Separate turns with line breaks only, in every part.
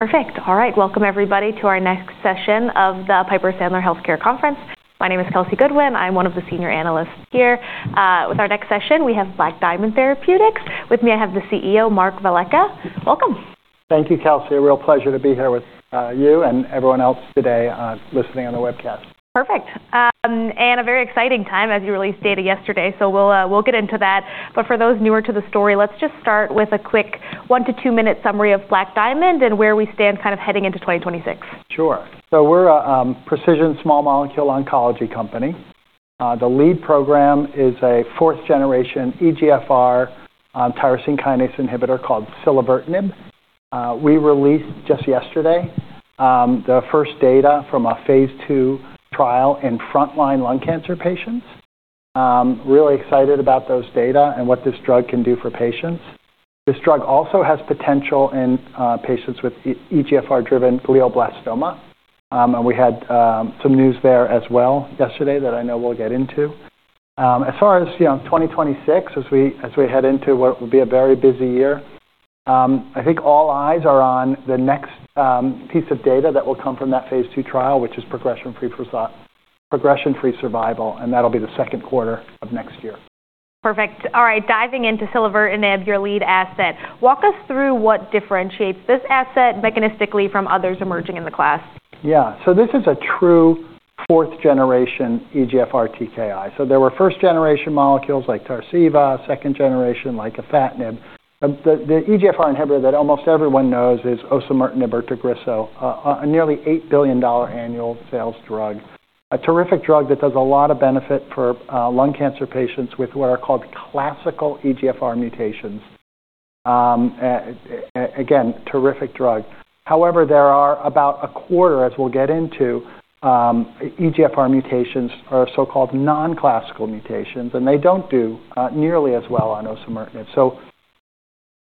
Perfect. All right, welcome everybody to our next session of the Piper Sandler Healthcare Conference. My name is Kelsey Goodwin. I'm one of the senior analysts here. With our next session, we have Black Diamond Therapeutics. With me, I have the CEO, Mark Velleca. Welcome.
Thank you, Kelsey. A real pleasure to be here with you and everyone else today listening on the webcast.
Perfect. And a very exciting time as you released data yesterday, so we'll get into that. But for those newer to the story, let's just start with a quick one- to two-minute summary of Black Diamond and where we stand kind of heading into 2026.
Sure, so we're a precision small molecule oncology company. The lead program is a fourth-generation EGFR tyrosine kinase inhibitor called Silevertinib. We released just yesterday the first data from a Phase II trial in frontline lung cancer patients. Really excited about those data and what this drug can do for patients. This drug also has potential in patients with EGFR-driven glioblastoma, and we had some news there as well yesterday that I know we'll get into. As far as 2026, as we head into what will be a very busy year, I think all eyes are on the next piece of data that will come from that Phase II trial, which is progression-free survival, and that'll be the second quarter of next year.
Perfect. All right, diving into Silevertinib, your lead asset. Walk us through what differentiates this asset mechanistically from others emerging in the class.
Yeah. So this is a true fourth-generation EGFR TKI. So there were first-generation molecules like Tarceva, second-generation like Afatinib. The EGFR inhibitor that almost everyone knows is Osimertinib/Tagrisso, a nearly $8 billion annual sales drug. A terrific drug that does a lot of benefit for lung cancer patients with what are called classical EGFR mutations. Again, terrific drug. However, there are about a quarter, as we'll get into, EGFR mutations are so-called non-classical mutations, and they don't do nearly as well on Osimertinib.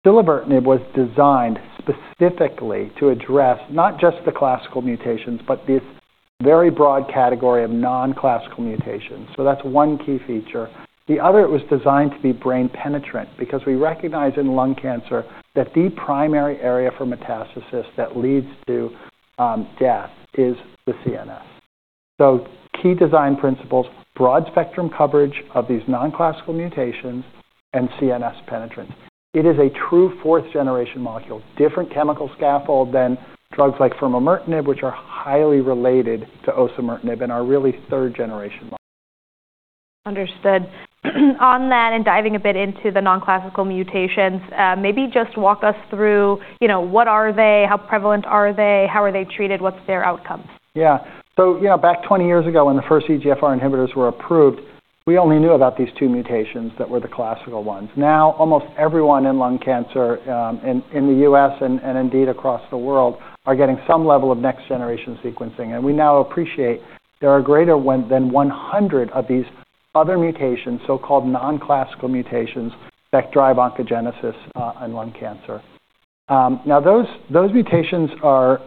So Silevertinib was designed specifically to address not just the classical mutations, but this very broad category of non-classical mutations. So that's one key feature. The other, it was designed to be brain penetrant because we recognize in lung cancer that the primary area for metastasis that leads to death is the CNS. So key design principles, broad spectrum coverage of these non-classical mutations, and CNS penetrance. It is a true fourth-generation molecule, different chemical scaffold than drugs like Furmonertinib, which are highly related to Osimertinib and are really third-generation molecules.
Understood. On that and diving a bit into the non-classical mutations, maybe just walk us through what are they, how prevalent are they, how are they treated, what's their outcomes?
Yeah. So back 20 years ago when the first EGFR inhibitors were approved, we only knew about these two mutations that were the classical ones. Now almost everyone in lung cancer in the U.S. and indeed across the world are getting some level of next-generation sequencing. And we now appreciate there are greater than 100 of these other mutations, so-called non-classical mutations, that drive oncogenesis in lung cancer. Now those mutations are,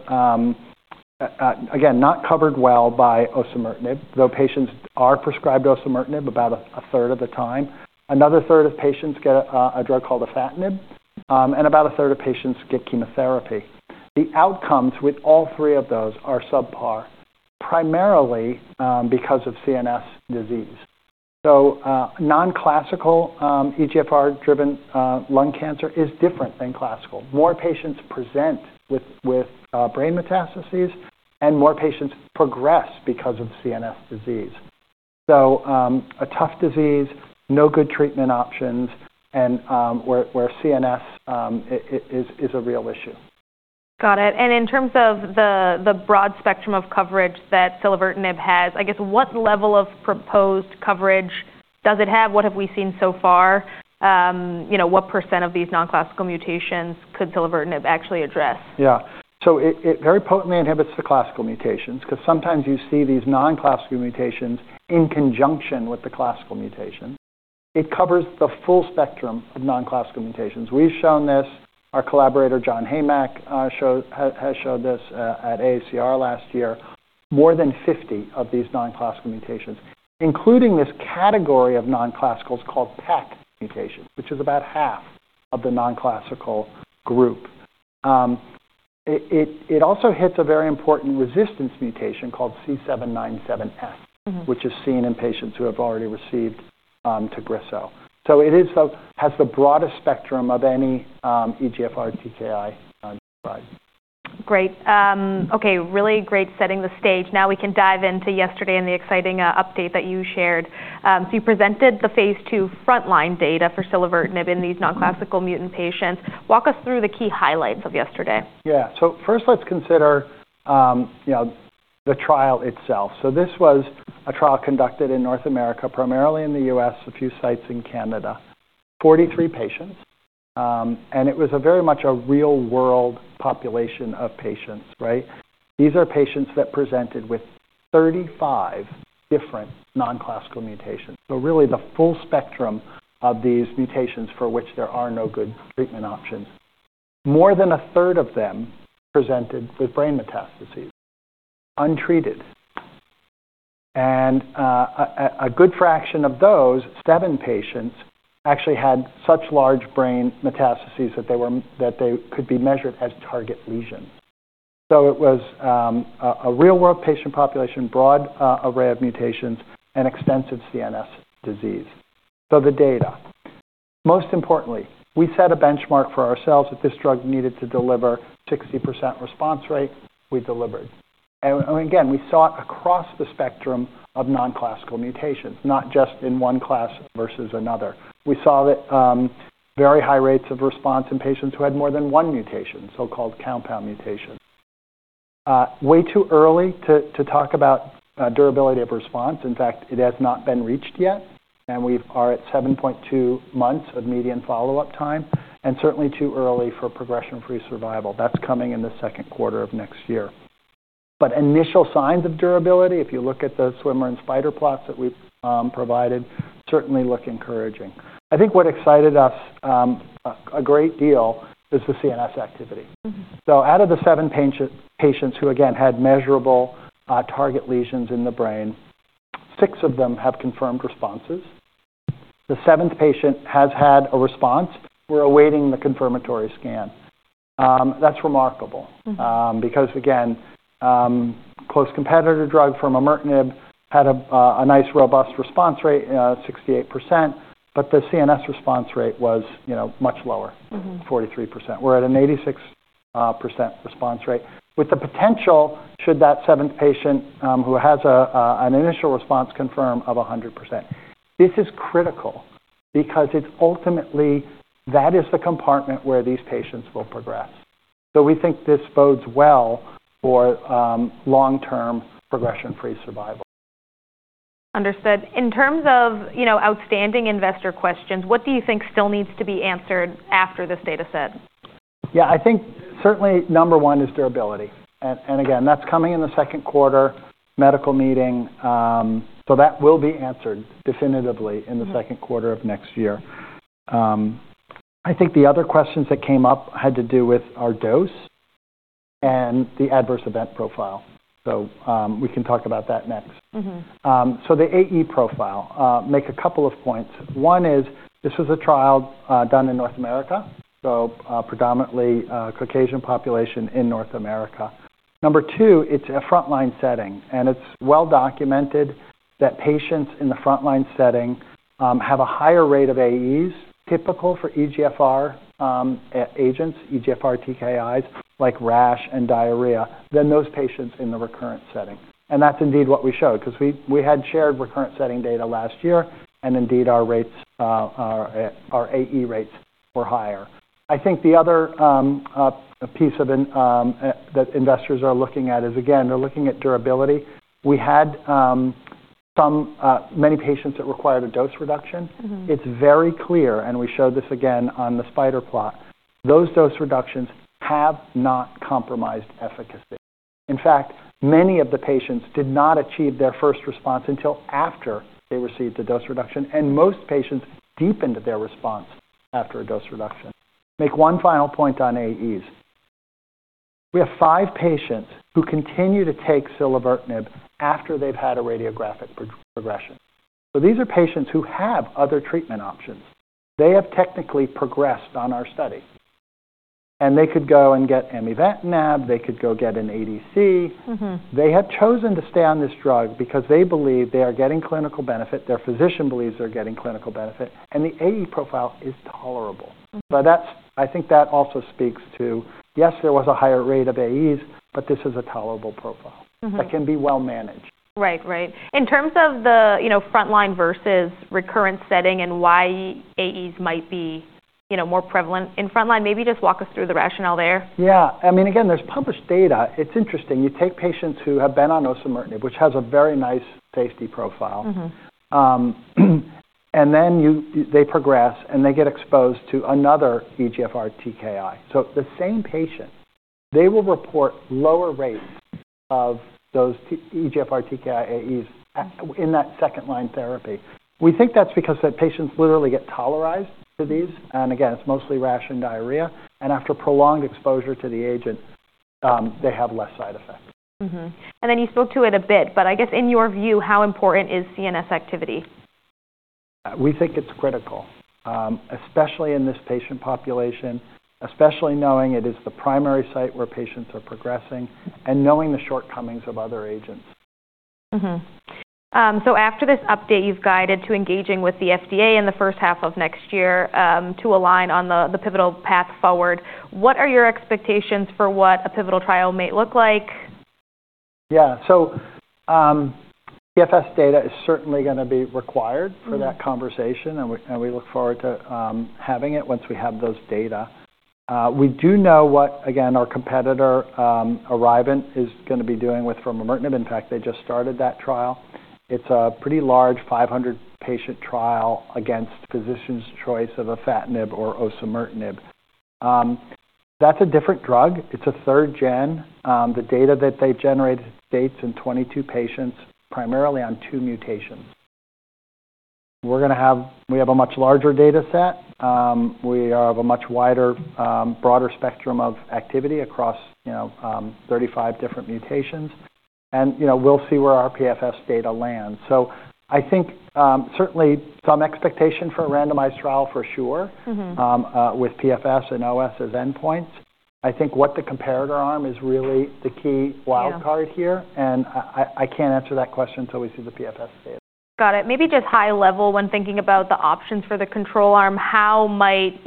again, not covered well by Osimertinib, though patients are prescribed Osimertinib about 1/3 of the time. Another third of patients get a drug called Afatinib, and about 1/3 of patients get chemotherapy. The outcomes with all three of those are subpar, primarily because of CNS disease. So non-classical EGFR-driven lung cancer is different than classical. More patients present with brain metastases, and more patients progress because of CNS disease. So a tough disease, no good treatment options, and where CNS is a real issue.
Got it. And in terms of the broad spectrum of coverage that Silevertinib has, I guess, what level of proposed coverage does it have? What have we seen so far? What percent of these non-classical mutations could Silevertinib actually address?
Yeah. So it very potently inhibits the classical mutations because sometimes you see these non-classical mutations in conjunction with the classical mutation. It covers the full spectrum of non-classical mutations. We've shown this. Our collaborator, John Heymach, has showed this at AACR last year. More than 50 of these non-classical mutations, including this category of non-classicals called PACC mutation, which is about half of the non-classical group. It also hits a very important resistance mutation called C797S, which is seen in patients who have already received Tagrisso, so it has the broadest spectrum of any EGFR TKI described.
Great. Okay, really great setting the stage. Now we can dive into yesterday and the exciting update that you shared. So you presented the Phase II frontline data for Silevertinib in these non-classical mutant patients. Walk us through the key highlights of yesterday.
Yeah. So first, let's consider the trial itself. So this was a trial conducted in North America, primarily in the US, a few sites in Canada. 43 patients. And it was very much a real-world population of patients, right? These are patients that presented with 35 different non-classical mutations. So really the full spectrum of these mutations for which there are no good treatment options. More than 1/3 of them presented with brain metastases, untreated. And a good fraction of those seven patients actually had such large brain metastases that they could be measured as target lesions. So it was a real-world patient population, broad array of mutations, and extensive CNS disease. So the data. Most importantly, we set a benchmark for ourselves that this drug needed to deliver 60% response rate. We delivered. Again, we saw it across the spectrum of non-classical mutations, not just in one class versus another. We saw very high rates of response in patients who had more than one mutation, so-called compound mutation. Way too early to talk about durability of response. In fact, it has not been reached yet. We are at 7.2 months of median follow-up time. Certainly too early for progression-free survival. That's coming in the second quarter of next year. Initial signs of durability, if you look at the swimmer and spider plots that we provided, certainly look encouraging. I think what excited us a great deal is the CNS activity. Out of the seven patients who, again, had measurable target lesions in the brain, six of them have confirmed responses. The seventh patient has had a response. We're awaiting the confirmatory scan. That's remarkable because, again, close competitor drug Furmonertinib had a nice robust response rate, 68%, but the CNS response rate was much lower, 43%. We're at an 86% response rate, with the potential, should that seventh patient who has an initial response confirm, of 100%. This is critical because it's ultimately that is the compartment where these patients will progress. So we think this bodes well for long-term progression-free survival.
Understood. In terms of outstanding investor questions, what do you think still needs to be answered after this data set?
Yeah. I think certainly number one is durability, and again, that's coming in the second quarter medical meeting, so that will be answered definitively in the second quarter of next year. I think the other questions that came up had to do with our dose and the adverse event profile, so we can talk about that next, the AE profile. Make a couple of points. One is this was a trial done in North America, so predominantly Caucasian population in North America. Number two, it's a frontline setting, and it's well documented that patients in the frontline setting have a higher rate of AEs, typical for EGFR agents, EGFR TKIs, like rash and diarrhea, than those patients in the recurrent setting, and that's indeed what we showed because we had shared recurrent setting data last year, and indeed our AE rates were higher. I think the other piece that investors are looking at is, again, they're looking at durability. We had many patients that required a dose reduction. It's very clear, and we showed this again on the spider plot, those dose reductions have not compromised efficacy. In fact, many of the patients did not achieve their first response until after they received a dose reduction. And most patients deepened their response after a dose reduction. Make one final point on AEs. We have five patients who continue to take Silevertinib after they've had a radiographic progression. So these are patients who have other treatment options. They have technically progressed on our study. And they could go and get Amivantamab. They could go get an ADC. They have chosen to stay on this drug because they believe they are getting clinical benefit. Their physician believes they're getting clinical benefit. The AE profile is tolerable. I think that also speaks to, yes, there was a higher rate of AEs, but this is a tolerable profile that can be well managed.
Right, right. In terms of the frontline versus recurrent setting and why AEs might be more prevalent in frontline, maybe just walk us through the rationale there.
Yeah. I mean, again, there's published data. It's interesting. You take patients who have been on Osimertinib, which has a very nice safety profile, and then they progress and they get exposed to another EGFR TKI. So the same patient, they will report lower rates of those EGFR TKI AEs in that second-line therapy. We think that's because patients literally get tolerized to these. And again, it's mostly rash and diarrhea. And after prolonged exposure to the agent, they have less side effects.
And then you spoke to it a bit, but I guess in your view, how important is CNS activity?
We think it's critical, especially in this patient population, especially knowing it is the primary site where patients are progressing and knowing the shortcomings of other agents.
So after this update, you've guided to engaging with the FDA in the first half of next year to align on the pivotal path forward. What are your expectations for what a pivotal trial may look like?
Yeah. So PFS data is certainly going to be required for that conversation. And we look forward to having it once we have those data. We do know what, again, our competitor, ArriVent, is going to be doing with Furmonertinib. In fact, they just started that trial. It's a pretty large 500-patient trial against physician's choice of Afatinib or Osimertinib. That's a different drug. It's a third gen. The data that they've generated to date in 22 patients, primarily on two mutations. We have a much larger data set. We have a much broader spectrum of activity across 35 different mutations. And we'll see where our PFS data lands. So I think certainly some expectation for a randomized trial for sure with PFS and OS as endpoints. I think what the comparator arm is really the key wildcard here. And I can't answer that question until we see the PFS data.
Got it. Maybe just high level, when thinking about the options for the control arm, how might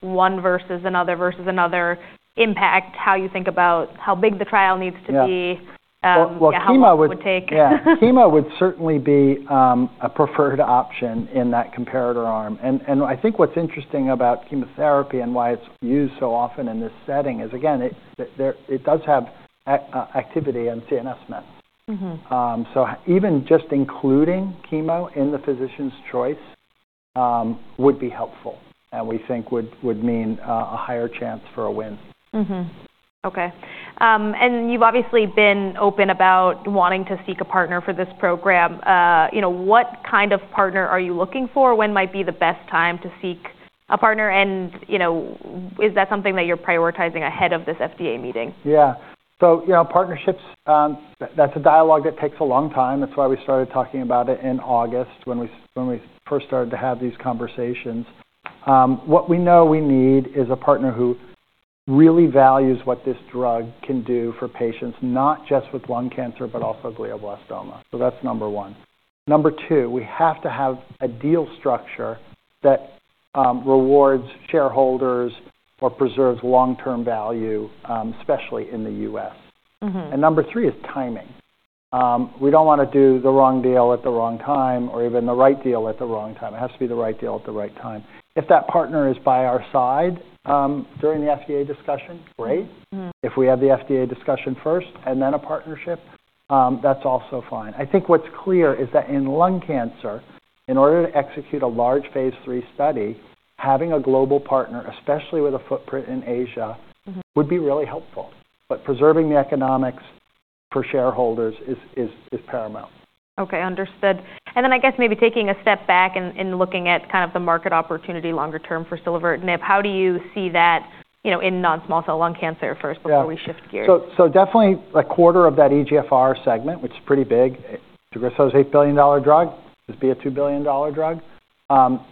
one versus another versus another impact how you think about how big the trial needs to be?
Well, chemo would certainly be a preferred option in that comparator arm. And I think what's interesting about chemotherapy and why it's used so often in this setting is, again, it does have activity in CNS mets. So even just including chemo in the physician's choice would be helpful. And we think would mean a higher chance for a win.
Okay. And you've obviously been open about wanting to seek a partner for this program. What kind of partner are you looking for? When might be the best time to seek a partner? And is that something that you're prioritizing ahead of this FDA meeting?
Yeah. So partnerships, that's a dialogue that takes a long time. That's why we started talking about it in August when we first started to have these conversations. What we know we need is a partner who really values what this drug can do for patients, not just with lung cancer, but also glioblastoma. So that's number one. Number two, we have to have a deal structure that rewards shareholders or preserves long-term value, especially in the U.S. And number three is timing. We don't want to do the wrong deal at the wrong time or even the right deal at the wrong time. It has to be the right deal at the right time. If that partner is by our side during the FDA discussion, great. If we have the FDA discussion first and then a partnership, that's also fine. I think what's clear is that in lung cancer, in order to execute a large Phase III study, having a global partner, especially with a footprint in Asia, would be really helpful, but preserving the economics for shareholders is paramount.
Okay. Understood, and then I guess maybe taking a step back and looking at kind of the market opportunity longer term for Silevertinib, how do you see that in non-small cell lung cancer first before we shift gears?
Yeah. So definitely a quarter of that EGFR segment, which is pretty big, Tagrisso, is an $8 billion drug. This would be a $2 billion drug.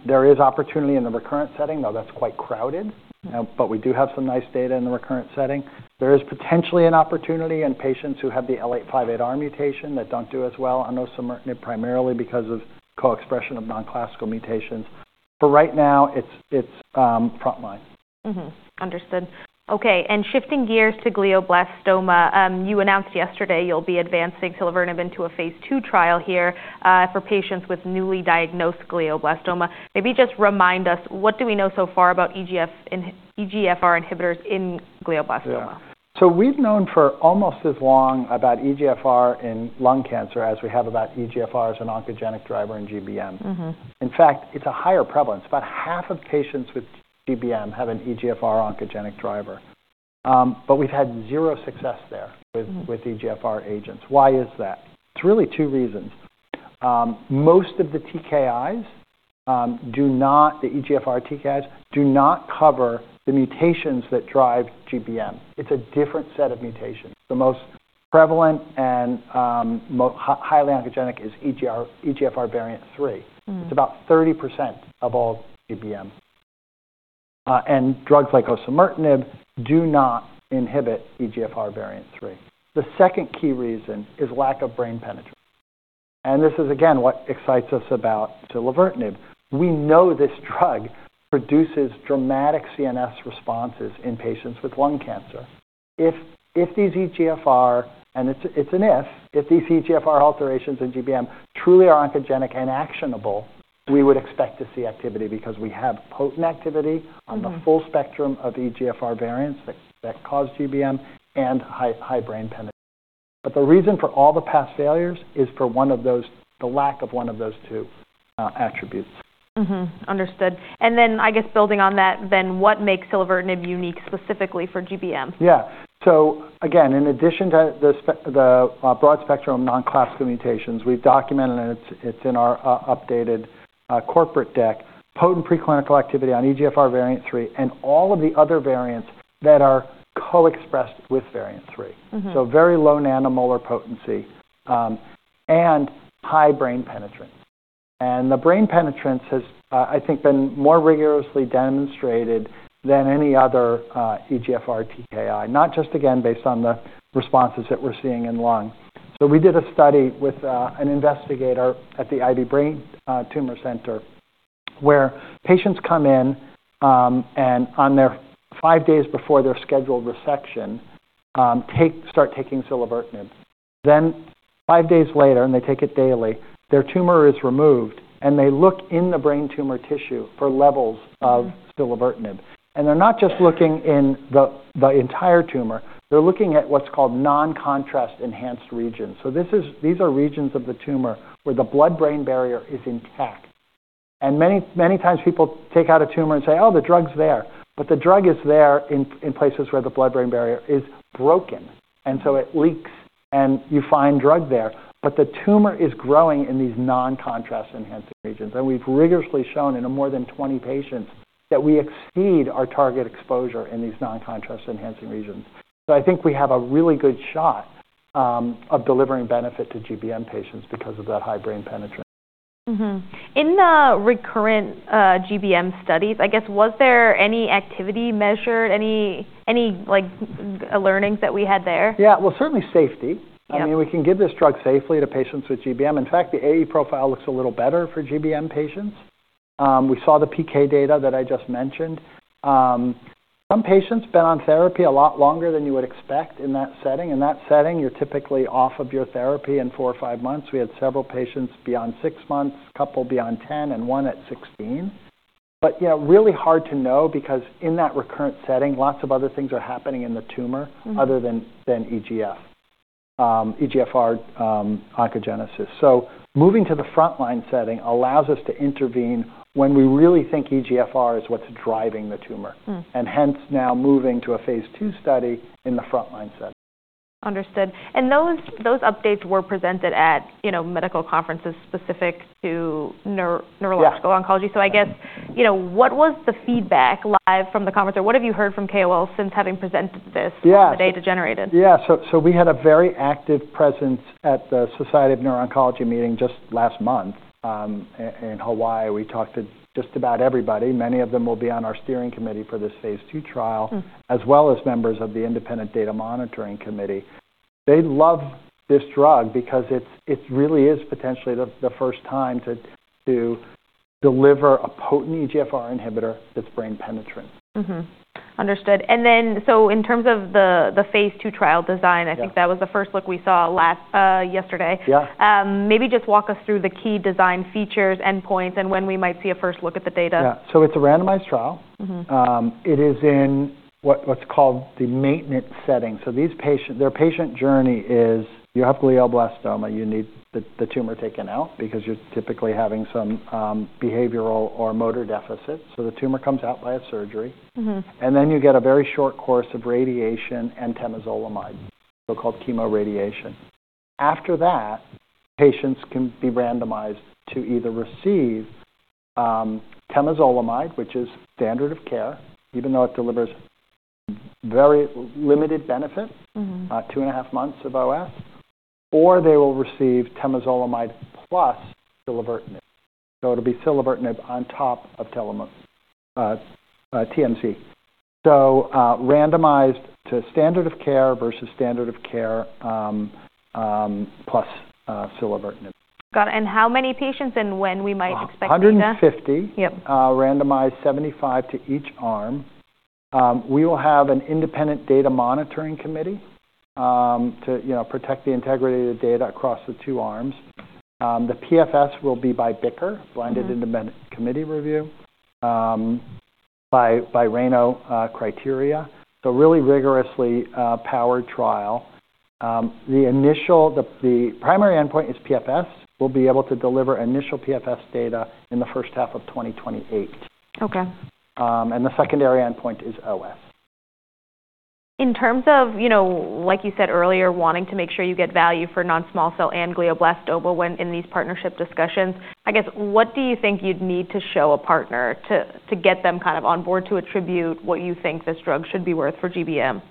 There is opportunity in the recurrent setting, though that's quite crowded. But we do have some nice data in the recurrent setting. There is potentially an opportunity in patients who have the L858R mutation that don't do as well on Osimertinib, primarily because of co-expression of non-classical mutations. But right now, it's frontline.
Understood. Okay. And shifting gears to glioblastoma, you announced yesterday you'll be advancing Silevertinib into a Phase II trial here for patients with newly diagnosed glioblastoma. Maybe just remind us, what do we know so far about EGFR inhibitors in glioblastoma?
Yeah. So we've known for almost as long about EGFR in lung cancer as we have about EGFR as an oncogenic driver in GBM. In fact, it's a higher prevalence. About half of patients with GBM have an EGFR oncogenic driver. But we've had zero success there with EGFR agents. Why is that? It's really two reasons. Most of the TKIs, the EGFR TKIs, do not cover the mutations that drive GBM. It's a different set of mutations. The most prevalent and highly oncogenic is EGFRvIII. It's about 30% of all GBM. And drugs like Osimertinib do not inhibit EGFRvIII. The second key reason is lack of brain penetration. And this is, again, what excites us about Silevertinib. We know this drug produces dramatic CNS responses in patients with lung cancer. If these EGFR and it's an if these EGFR alterations in GBM truly are oncogenic and actionable, we would expect to see activity because we have potent activity on the full spectrum of EGFR variants that cause GBM and high brain penetration. But the reason for all the past failures is for the lack of one of those two attributes.
Understood. And then I guess building on that, then what makes Silevertinib unique specifically for GBM? Yeah. So again, in addition to the broad spectrum of non-classical mutations, we've documented, and it's in our updated corporate deck, potent preclinical activity on EGFRvIII and all of the other variants that are co-expressed with variant III. So very low nanomolar potency and high brain penetrant. And the brain penetrant has, I think, been more rigorously demonstrated than any other EGFR TKI, not just, again, based on the responses that we're seeing in lung. So we did a study with an investigator at the Ivy Brain Tumor Center where patients come in, and on their five days before their scheduled resection, start taking Silevertinib. Then five days later, and they take it daily, their tumor is removed, and they look in the brain tumor tissue for levels of Silevertinib. And they're not just looking in the entire tumor. They're looking at what's called non-contrast-enhanced regions. So these are regions of the tumor where the blood-brain barrier is intact. And many times people take out a tumor and say, "Oh, the drug's there." But the drug is there in places where the blood-brain barrier is broken. And so it leaks, and you find drug there. But the tumor is growing in these non-contrast-enhanced regions. And we've rigorously shown in more than 20 patients that we exceed our target exposure in these non-contrast-enhancing regions. So I think we have a really good shot of delivering benefit to GBM patients because of that high brain penetrant. In the recurrent GBM studies, I guess, was there any activity measured, any learnings that we had there?
Yeah. Well, certainly safety. I mean, we can give this drug safely to patients with GBM. In fact, the AE profile looks a little better for GBM patients. We saw the PK data that I just mentioned. Some patients have been on therapy a lot longer than you would expect in that setting. In that setting, you're typically off of your therapy in four or five months. We had several patients beyond six months, a couple beyond 10, and one at 16. But yeah, really hard to know because in that recurrent setting, lots of other things are happening in the tumor other than EGFR oncogenesis. So moving to the frontline setting allows us to intervene when we really think EGFR is what's driving the tumor. And hence now moving to a Phase II study in the frontline setting.
Understood. And those updates were presented at medical conferences specific to neurological oncology. So I guess, what was the feedback live from the conference? Or what have you heard from KOL since having presented this from the data generated?
Yeah, so we had a very active presence at the Society for Neuro-Oncology meeting just last month in Hawaii. We talked to just about everybody. Many of them will be on our steering committee for this Phase II trial, as well as members of the independent data monitoring committee. They love this drug because it really is potentially the first time to deliver a potent EGFR inhibitor that's brain penetrant.
Understood. And then so in terms of the Phase II trial design, I think that was the first look we saw yesterday. Maybe just walk us through the key design features, endpoints, and when we might see a first look at the data.
Yeah. So it's a randomized trial. It is in what's called the maintenance setting. So their patient journey is you have glioblastoma, you need the tumor taken out because you're typically having some behavioral or motor deficits. So the tumor comes out by a surgery. And then you get a very short course of radiation and temozolomide, so-called chemoradiation. After that, patients can be randomized to either receive temozolomide, which is standard of care, even though it delivers very limited benefit, two and a half months of OS, or they will receive temozolomide plus Silevertinib. So it'll be Silevertinib on top of TMZ. So randomized to standard of care versus standard of care plus Silevertinib.
Got it. And how many patients and when we might expect to send?
Randomize 75 to each arm. We will have an independent data monitoring committee to protect the integrity of the data across the two arms. The PFS will be by BICR, Blinded Independent Central Review, by RANO criteria. So really rigorously powered trial. The primary endpoint is PFS. We'll be able to deliver initial PFS data in the first half of 2028. The secondary endpoint is OS.
In terms of, like you said earlier, wanting to make sure you get value for non-small cell and glioblastoma in these partnership discussions, I guess, what do you think you'd need to show a partner to get them kind of on board to attribute what you think this drug should be worth for GBM?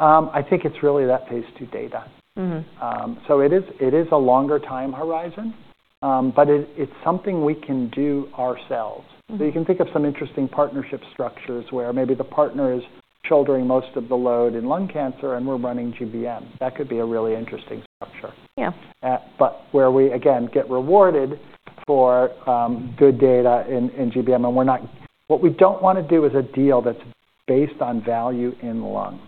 I think it's really that Phase II data. So it is a longer time horizon, but it's something we can do ourselves. So you can think of some interesting partnership structures where maybe the partner is shouldering most of the load in lung cancer and we're running GBM. That could be a really interesting structure. But where we, again, get rewarded for good data in GBM. And what we don't want to do is a deal that's based on value in lung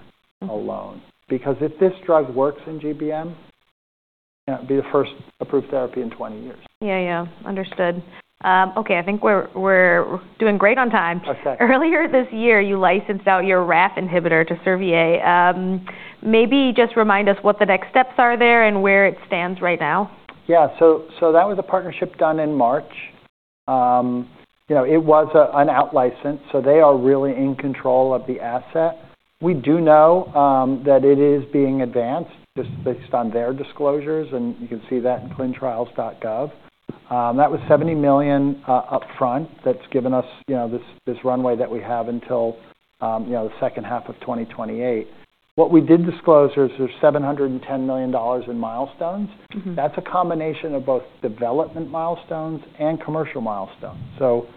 alone. Because if this drug works in GBM, it'd be the first approved therapy in 20 years.
Yeah. Yeah. Understood. Okay. I think we're doing great on time. Earlier this year, you licensed out your RAF inhibitor to Servier. Maybe just remind us what the next steps are there and where it stands right now.
Yeah. So that was a partnership done in March. It was an out-license. So they are really in control of the asset. We do know that it is being advanced just based on their disclosures. And you can see that in ClinicalTrials.gov. That was $70 million upfront that's given us this runway that we have until the second half of 2028. What we did disclose is there's $710 million in milestones. That's a combination of both development milestones and commercial milestones. So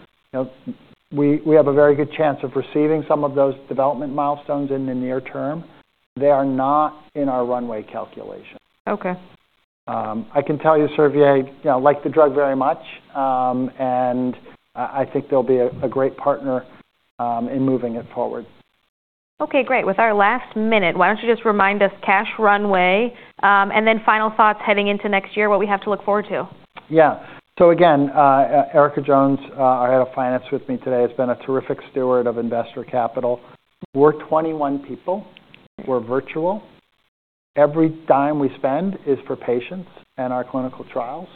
we have a very good chance of receiving some of those development milestones in the near term. They are not in our runway calculation. I can tell you, Servier, I like the drug very much. And I think they'll be a great partner in moving it forward.
Okay. Great. With our last minute, why don't you just remind us, cash runway? And then final thoughts heading into next year, what we have to look forward to?
Yeah. Again, Erika Jones, our head of finance with me today, has been a terrific steward of investor capital. We're 21 people. We're virtual. Every dime we spend is for patients and our clinical trials.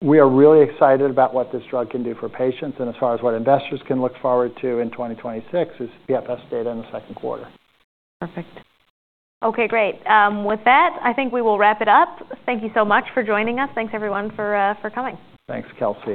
We are really excited about what this drug can do for patients. As far as what investors can look forward to in 2026 is PFS data in the second quarter.
Perfect. Okay. Great. With that, I think we will wrap it up. Thank you so much for joining us. Thanks, everyone, for coming.
Thanks, Kelsey.